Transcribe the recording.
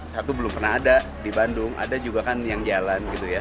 satu belum pernah ada di bandung ada juga kan yang jalan gitu ya